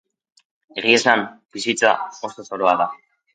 Egia esan, bizitza oso zoroa da.